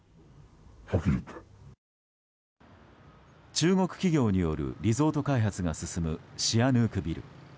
中国企業によるリゾート開発が進むシアヌークビル。